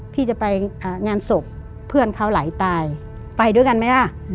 พี่จะไปงานศพเพื่อนเขาไหลตายไปด้วยกันไหมล่ะ